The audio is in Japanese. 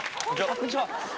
こんにちは。